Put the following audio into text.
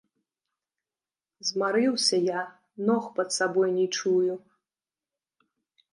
Змарыўся я, ног пад сабой не чую.